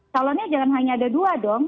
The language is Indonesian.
calonnya jangan hanya ada dua dong